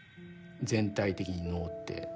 全体的に能って。